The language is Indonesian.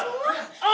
tunggu untuk lo